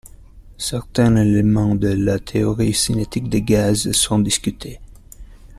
certains éléments de la théorie cinétique des gaz sont discutés